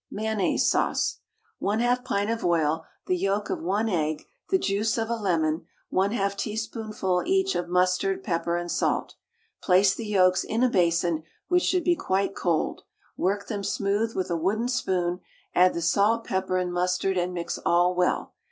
MAYONNAISE SAUCE. 1/2 pint of oil, the yolk of 1 egg, the juice of a lemon, 1/2 teaspoonful each of mustard, pepper, and salt. Place the yolks in a basin, which should be quite cold; work them smooth with a wooden spoon, add the salt, pepper, and mustard, and mix all well.